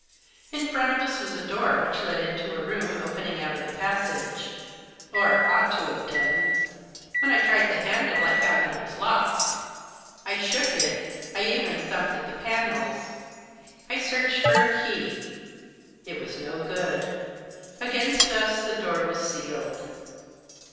In front of us was a door which led into a room opening out of the passage, or ought to have done. When I tried the handle I found that it was locked. I shook it, I even thumped at the panels, I searched for a key ; it was no good. Against us the door was sealed.